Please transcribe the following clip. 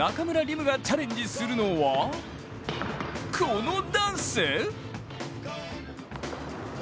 夢がチャレンジするのは、このダンス？